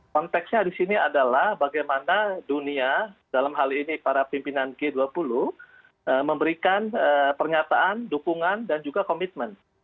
konteksnya di sini adalah bagaimana dunia dalam hal ini para pimpinan g dua puluh memberikan pernyataan dukungan dan juga komitmen